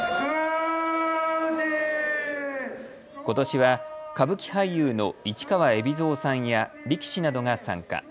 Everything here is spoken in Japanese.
ことしは歌舞伎俳優の市川海老蔵さんや力士などが参加。